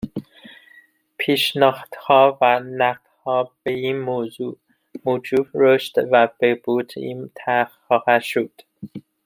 پیشنهادها و نقدها به این موضوع، موجب رشد و بهبود این طرح خواهد شد